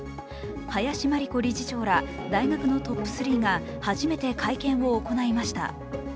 林真理子理事長ら大学のトップ３が初めて会見を行いました。